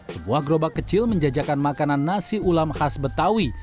sebuah gerobak kecil menjajakan makanan nasi ulam khas betawi